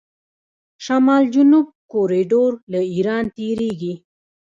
شمال جنوب کوریډور له ایران تیریږي.